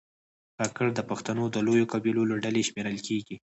کاکړ د پښتنو د لویو قبیلو له ډلې شمېرل کېږي.